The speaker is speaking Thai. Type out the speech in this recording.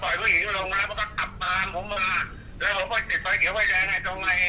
พอมารองชนมาปั๊สประกอบหัวแกงลาประกอบหวาทายหรือสมาองกันครับเรียกเดียวเลย